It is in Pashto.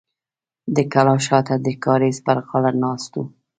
د کلا شاته د کاریز پر غاړه ناست و.